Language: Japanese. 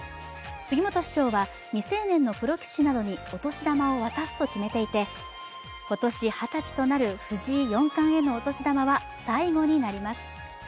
杉本師匠は未成年のプロ棋士などにお年玉を渡すと決めていて、今年二十歳となる藤井四冠へのお年玉は最後になります。